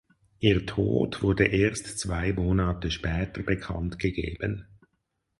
Ihr Tod wurde erst zwei Monate später bekannt gegeben.